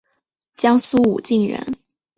江苏武进人。